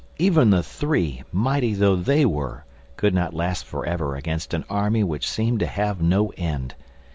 even the Three, mighty though they were, could not last forever against an army which seemed to have no end.